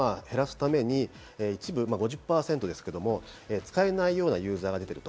渋滞を減らすために、一部５０％ですけど、使えないようなユーザーが出てる。